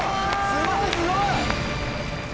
すごいすごい！